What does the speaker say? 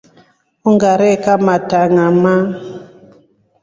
Ungare kamata ngama.